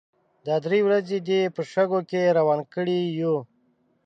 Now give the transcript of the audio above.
دا درې ورځې دې په شګو کې روان کړي يو.